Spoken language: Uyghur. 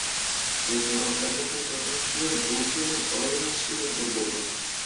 بۇ ساراڭ ئەبلەخنىڭ كاساپىتىدىن رۇسىيەدىن ئايرىلىشقا مەجبۇر بولدۇم.